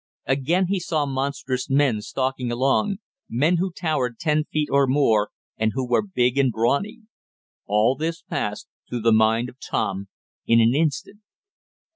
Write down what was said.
Again he saw monstrous men stalking along men who towered ten feet or more, and who were big and brawny. All this passed through the mind of Tom in an instant.